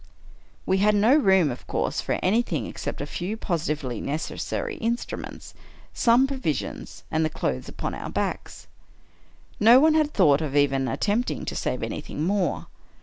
We had no room, of course, for anything except a few positively necessary instruments, some provisions, and the clothes upon our backs. No one had thought of even at tempting to save anything more.